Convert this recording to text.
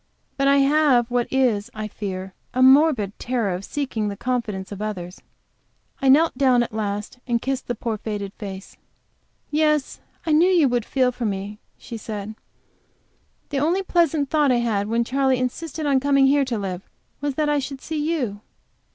But I have what is, I fear, a morbid terror of seeking the confidence of others. I knelt down at last, and kissed the poor faded face. "Yes, I knew you would feel for me," she said. "The only pleasant thought I had when Charley insisted on coming here to live was, that I should see you."